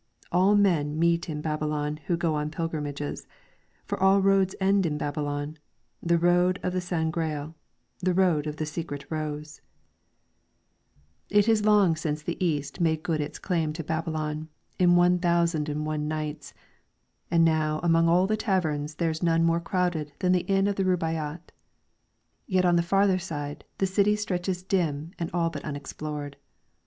All men meet in Babylon who go on pilgrimages, for all roads end in Babylon, the Road of the San Grael, the Road of the Secret Rose, viii LYRICS FROM THE CHINESE It is long since the East made good its claim to Babylon in one thousand and one nights, and now among all the taverns there is none more crowded than the Inn of the Rubaiyat ; yet on the farther side the city stretches dim and all but unexplored.